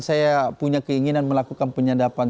saya punya keinginan melakukan penyadapan